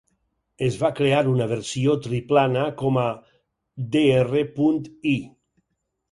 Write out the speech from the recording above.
Es va crear una versió triplana com a Dr.I.